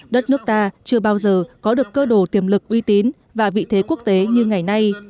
đất nước ta chưa bao giờ có được cơ đồ tiềm lực uy tín và vị thế quốc tế như ngày nay